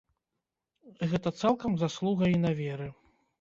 Гэта цалкам заслуга інаверы.